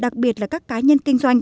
đặc biệt là các cá nhân kinh doanh